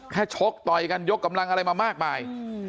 ชกต่อยกันยกกำลังอะไรมามากมาย